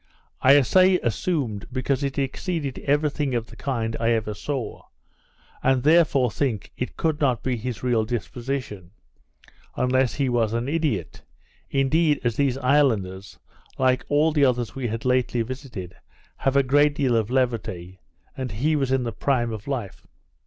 I say assumed, because it exceeded every thing of the kind I ever saw; and therefore think it could not be his real disposition, unless he was an idiot indeed, as these islanders, like all the others we had lately visited, have a great deal of levity, and he was in the prime of life.